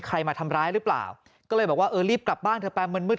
มาทำร้ายหรือเปล่าก็เลยบอกว่าเออรีบกลับบ้านเธอไปมันมืด